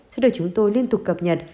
sẽ được chúng tôi liên tục cập nhật